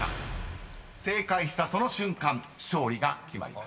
［正解したその瞬間勝利が決まります］